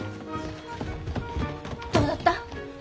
どうだった？